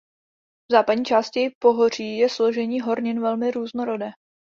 V západní části pohoří je složení hornin velmi různorodé.